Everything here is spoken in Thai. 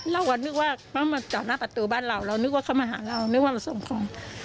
เราก็นึกว่าเขามาจอดหน้าประตูบ้านเราเรานึกว่าเขามาหาเรานึกว่ามาส่งของ